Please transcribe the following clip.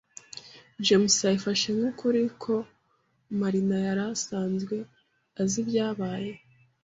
James yabifashe nk'ukuri ko Marina yari asanzwe azi ibyabaye.